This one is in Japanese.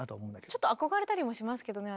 ちょっと憧れたりもしますけどね